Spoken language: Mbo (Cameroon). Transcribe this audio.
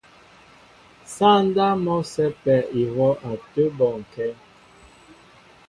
Sááŋ ndáp mɔ́ a sɛ́pɛ ihwɔ́ a tə́ bɔnkɛ́.